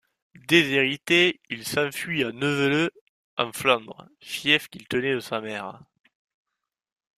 Déshérité, il s'enfuit à Nevele en Flandre, fief qu'il tenait de sa mère.